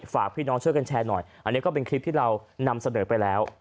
ฝากพี่น้องช่วยกันแชร์หน่อยอันนี้ก็เป็นคลิปที่เรานำเสนอไปแล้ว